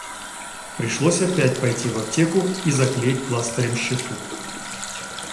Пришлось опять пойти в аптеку и заклеить пластырем щеку.